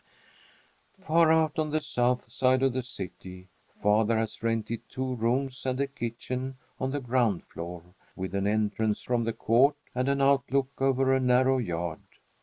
Far out on the south side of the city, father has rented two rooms and a kitchen on the ground floor, with an entrance from the court and an outlook over a narrow yard.